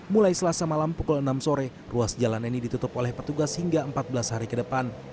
mulai selasa malam pukul enam sore ruas jalan ini ditutup oleh petugas hingga empat belas hari ke depan